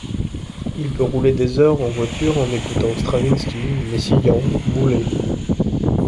Il peut rouler des heures en voiture en écoutant Stravinsky, Messiaen, Boulez.